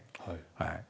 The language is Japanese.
はい。